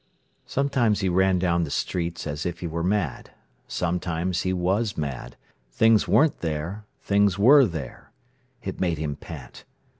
Sometimes he ran down the streets as if he were mad: sometimes he was mad; things weren't there, things were there. It made him pant.